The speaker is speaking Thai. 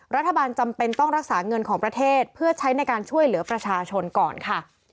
รัฐบาลจำเป็นต้องรักษาเงินของประเทศเพื่อใช้ในการช่วยเหลือประชาชนก่อนค่ะ